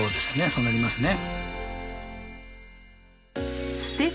そうなりますね。